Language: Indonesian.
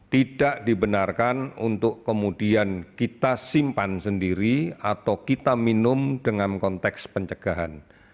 tidak dibenarkan untuk kemudian kita simpan sendiri atau kita minum dengan konteks pencegahan